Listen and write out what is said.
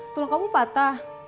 tulang kamu patah